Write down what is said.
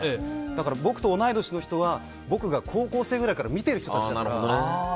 だから僕と同い年の人は僕が高校生くらいから見ている人たちなんですよ。